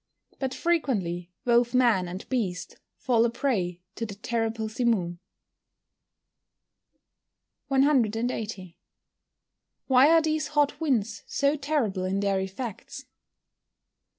But frequently both man and beast fall a prey to the terrible simoom. 180. _Why are these hot winds so terrible in their effects?